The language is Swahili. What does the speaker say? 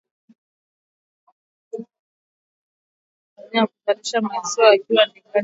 Ngombe wa maziwa wanaonyonyesha hupunguza kasi ya kuzalisha maziwa wakiwa na ndigana baridi